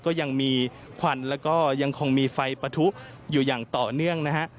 ก็ยังมีควันแล้วก็ยังคงมีไฟปะทุอยู่อย่างต่อเนื่องนะฮะ